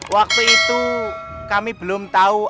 waktu itu kami belum tahu